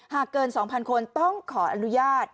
เกิน๒๐๐คนต้องขออนุญาต